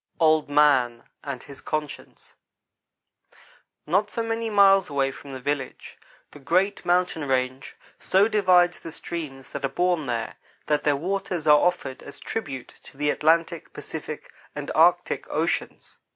OLD MAN AND HIS CONSCIENCE NOT so many miles away from the village, the great mountain range so divides the streams that are born there, that their waters are offered as tribute to the Atlantic, Pacific, and Arctic Oceans.